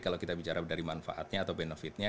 kalau kita bicara dari manfaatnya atau benefitnya